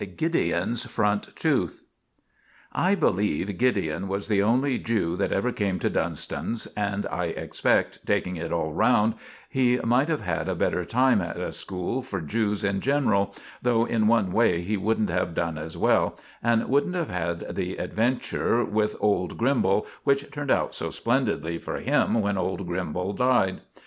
Gideon's Front Tooth I believe Gideon was the only Jew that ever came to Dunston's, and I expect, taking it all round, he might have had a better time at a school for Jews in general; though in one way he wouldn't have done as well, and wouldn't have had the adventure with old Grimbal, which turned out so splendidly for him when old Grimbal died.